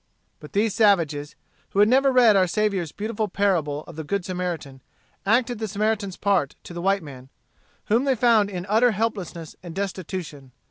But these savages, who had never read our Saviour's beautiful parable of the good Samaritan, acted the Samaritan's part to the white man whom they found in utter helplessness and destitution.